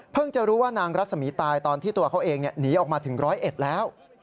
จะรู้ว่านางรัศมีตายตอนที่ตัวเขาเองหนีออกมาถึงร้อยเอ็ดแล้ว